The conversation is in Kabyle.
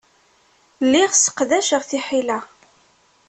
Lliɣ sseqdaceɣ tiḥila.